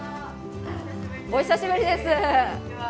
お久しぶりです。